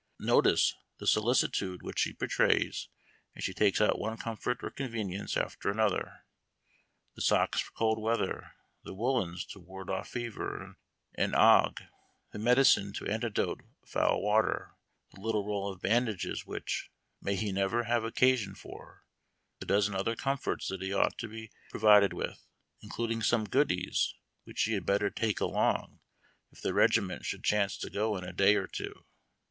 Notice the sohotnde wh.ch s e betrays as she takes out one comfort or convemence ateranotLr the socks for cold weather, the woo lens to tv d off fever and ague, the medicine to antidote foul water, Zl ttle roll of bandages which may he never have occa s on for; the dozen other con, forts that he ought to be pm 7L with, including some goodies which he had better take Tom if the regiment should chance to go in a day or two.